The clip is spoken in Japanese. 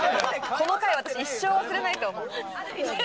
この会話、私、一生忘れないと思う。